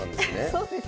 そうですね。